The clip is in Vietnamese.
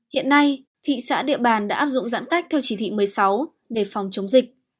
hiện nay thị xã địa bàn đã áp dụng giãn cách theo chỉ thị một mươi sáu để phòng chống dịch